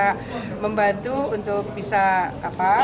bisa membantu untuk bisa apa